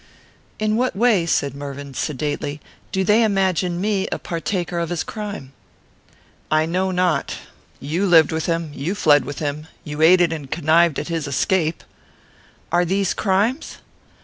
"In what way," said Mervyn, sedately, "do they imagine me a partaker of his crime?" "I know not. You lived with him. You fled with him. You aided and connived at his escape." "Are these crimes?"